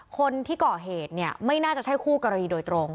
คนที่ก่อเหตุเนี่ยไม่น่าจะใช่คู่กรณีโดยตรง